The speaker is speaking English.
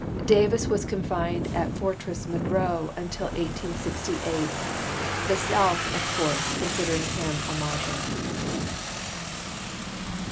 Davis was confined at Fortress Monroe until 1868, the South, of course, considering him a martyr.